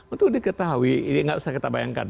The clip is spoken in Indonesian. untuk diketahui ini nggak usah kita bayangkan